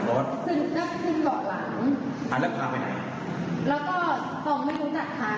ต้องก็เลยให้เขาบอกทางใจกับเรา